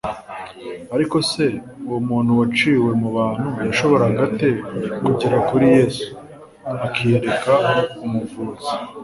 ariko se uwo muntu waciwe mu bantu yashoboraga ate kugera kuri Yesu, akiyereka Umuvuzi ?